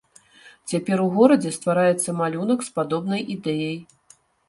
Цяпер у горадзе ствараецца малюнак з падобнай ідэяй.